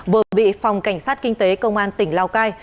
vừa bị phòng cảnh sát kinh tế công an tỉnh lào cai